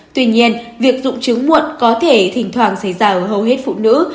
tuy nhiên việc dụng chứng muộn có thể thỉnh thoảng xảy ra ở hầu hết phụ nữ